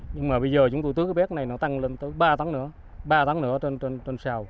nhưng mà bây giờ chúng tôi tước cái bét này nó tăng lên tới ba tấn nữa ba tấn nữa trên sào